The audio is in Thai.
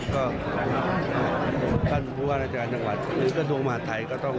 ก็ท่านผู้ว่าราชการจังหวัดหรือกระทรวงมหาดไทยก็ต้อง